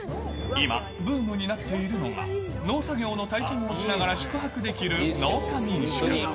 今、ブームになっているのが、農作業の体験をしながら宿泊できる農家民宿。